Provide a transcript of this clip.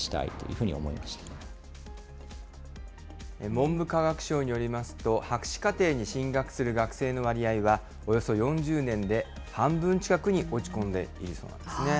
文部科学省によりますと、博士課程に進学する学生の割合は、およそ４０年で半分近くに落ち込んでいるそうなんですね。